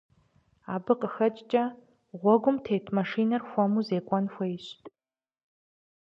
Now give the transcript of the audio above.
Абы къыхэкӀкӀэ, гъуэгум тет машинэр хуэму зекӀуэн хуейщ.